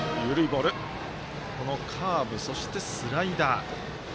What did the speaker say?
このカーブ、そしてスライダー。